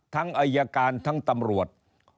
ทั้งรายการทั้งตำรวจ